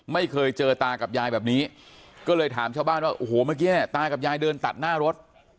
ไม่เคยเจอตากับยายแบบนี้ก็เลยถามชาวบ้านว่าโอ้โหเมื่อกี้ตากับยายเดินตัดหน้ารถ